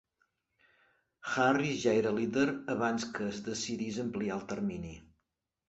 Harris ja era líder abans que es decidís ampliar el termini.